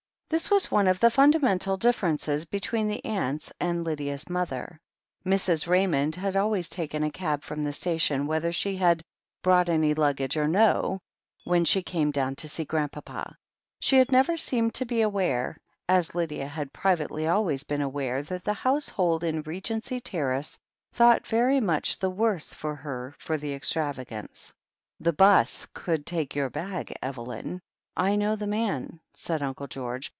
This was one of the fundamental differences between the aunts and Lydia's mother. Mrs. Raymond had 6 THE HEEL OF ACHILLES always taken a cab from the station, whether she had brought any luggage or no, when she came down to see Grandpapa. She had never seemed to be aware, as Lydia had privately always been aware, that the household in Regency Terrace thought very much the worse of her for the extravagance. "The 'bus could take your bag, Evelyn. I know the man,'* said Uncle George.